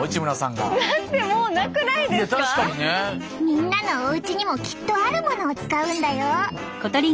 みんなのおうちにもきっとあるものを使うんだよ。